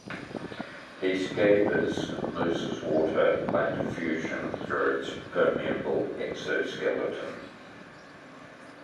"P. scabers" loses water by diffusion through its permeable exoskeleton.